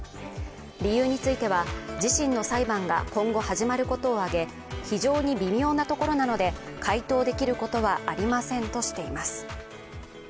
理由については、自身の裁判が今後始まることを挙げ、非常に微妙なところなので回答できることはありませんとしています。